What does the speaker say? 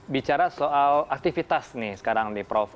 bicara soal aktivitas nih sekarang nih prof